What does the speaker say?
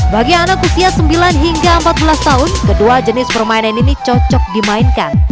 bagi anak usia sembilan hingga empat belas tahun kedua jenis permainan ini cocok dimainkan